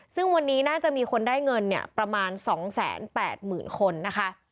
ซึ่งวันนี้น่าจะมีคนได้เงินเนี่ยประมาณ๒๘๐๐๐คนนะคะ